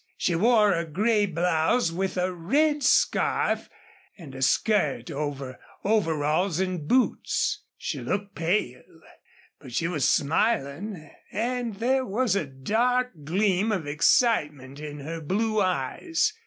She wore a gray blouse with a red scarf, and a skirt over overalls and boots. She looked pale, but she was smiling, and there was a dark gleam of excitement in her blue eyes.